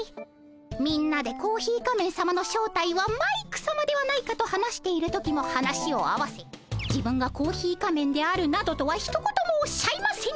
みんなでコーヒー仮面さまの正体はマイクさまではないかと話している時も話を合わせ自分がコーヒー仮面であるなどとはひと言もおっしゃいませんでした。